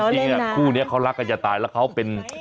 เล่นน้อยกี่สิ่งค่ะคู่นี้เขารักกันจะตายแล้วเขาเป็น